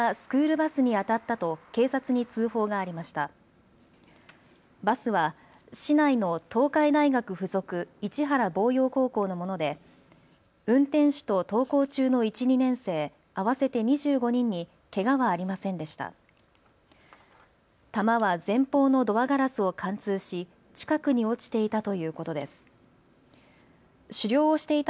バスは市内の東海大学付属市原望洋高校のもので運転手と登校中の１、２年生合わせて２５人にけがはありませんでした。